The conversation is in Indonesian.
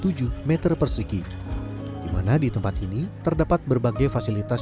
di mana di tempat ini terdapat berbagai fasilitas di mana di tempat ini terdapat berbagai fasilitas